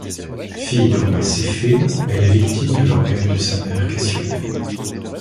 Fille du roi Céphée, elle est victime de l'orgueil de sa mère Cassiopée.